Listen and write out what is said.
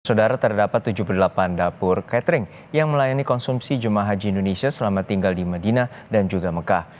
saudara terdapat tujuh puluh delapan dapur catering yang melayani konsumsi jemaah haji indonesia selama tinggal di medina dan juga mekah